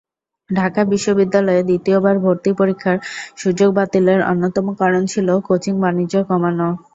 ঢাকা বিশ্ববিদ্যালয়ে দ্বিতীয়বার ভর্তি পরীক্ষার সুযোগ বাতিলের অন্যতম কারণ ছিল কোচিং-বাণিজ্য কমানো।